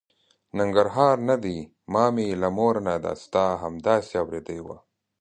ننګرهار نه دی، ما مې له مور نه دا ستا همداسې اورېدې وه.